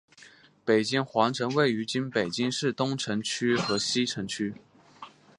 北京皇城位于今北京市东城区和西城区。